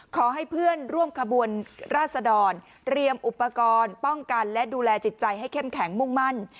ขอให้เพื่อนร่วมขบวนราศดรเตรียมอุปกรณ์ป้องกันและดูแลจิตใจให้เข้มแข็งมุ่งมั่น